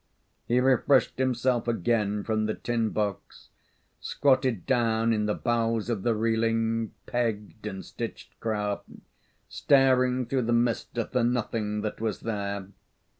He refreshed himself again from the tin box, squatted down in the bows of the reeling, pegged, and stitched craft, staring through the mist at the nothing that was there.